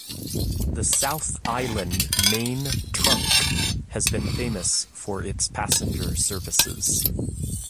The South Island Main Trunk has been famous for its passenger services.